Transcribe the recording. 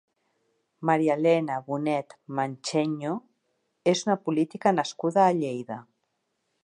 Maríalena Bonet Mancheño és una política nascuda a Lleida.